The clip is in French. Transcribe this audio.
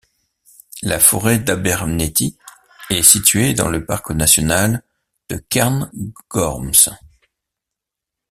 La forêt d'Abernethy est située dans le parc national de Cairngorms.